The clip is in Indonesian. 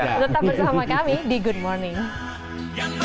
tetap bersama kami di good morning